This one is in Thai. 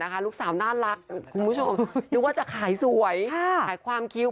คุณผู้ชมว่าจะขายสวยความคิ้ว